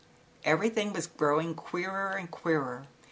Everything was growing queerer and queerer.